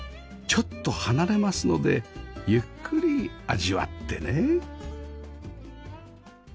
ちょっと離れますのでゆっくり味わってね